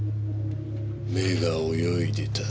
目が泳いでた。